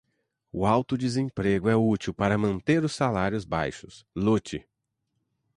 O alto desemprego é útil para manter os salários baixos. Lute.